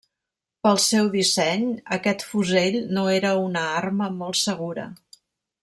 Pel seu disseny, aquest fusell no era una arma molt segura.